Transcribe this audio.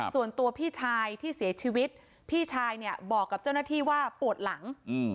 ส่วนตัวพี่ชายที่เสียชีวิตพี่ชายเนี่ยบอกกับเจ้าหน้าที่ว่าปวดหลัง